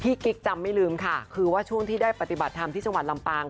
กิ๊กจำไม่ลืมค่ะคือว่าช่วงที่ได้ปฏิบัติธรรมที่จังหวัดลำปาง